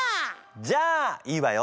じゃあいいわよ。